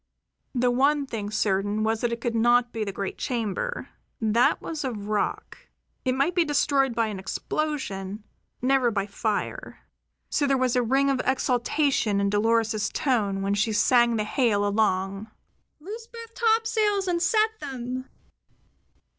The one thing certain was that it could not be the great chamber. That was of rock; it might be destroyed by an explosion; never by fire. So there was a ring of exultation in Dolores's tone when she sent the hail along: "Loose both topsails and set them!